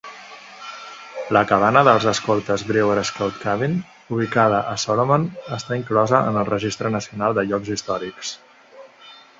La cabana dels escoltes Brewer Scout Cabin, ubicada a Solomon, està inclosa en el Registre Nacional de Llocs Històrics.